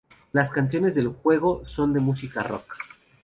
Las canciones del juego son de música rock.